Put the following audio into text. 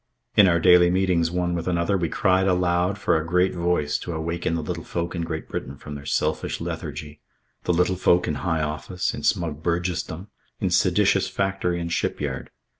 In our daily meetings one with another we cried aloud for a great voice to awaken the little folk in Great Britain from their selfish lethargy the little folk in high office, in smug burgessdom, in seditious factory and shipyard.